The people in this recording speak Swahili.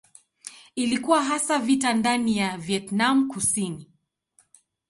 Ilikuwa hasa vita ndani ya Vietnam Kusini.